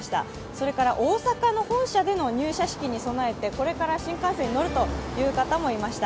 それから大阪の本社での入社式に備えてこれから新幹線に乗るという方もいらっしゃいました。